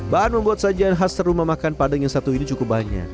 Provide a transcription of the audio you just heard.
bahan membuat sajian khas rumah makan padang yang satu ini cukup banyak